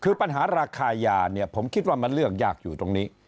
คือปัญหาราคายาเนี่ยผมคิดว่ามันเรื่องยากอยู่ตรงนี้